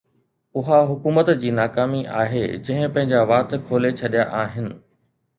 اِها حڪومت جي ناڪامي آهي، جنهن پنهنجا وات کولي ڇڏيا آهن